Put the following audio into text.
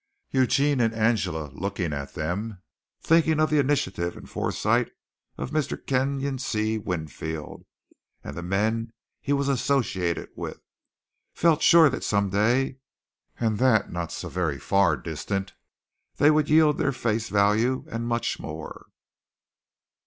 Eugene and Angela looking at them, thinking of the initiative and foresight of Mr. Kenyon C. Winfield and the men he was associated with, felt sure that some day, and that not so very far distant, they would yield their face value and much more.